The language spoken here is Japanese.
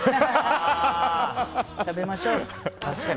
食べましょうよ。